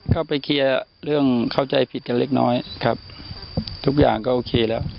ก็ไปเคลียร์เรื่องเข้าใจผิดกันเล็กน้อยครับทุกอย่างก็โอเคแล้ว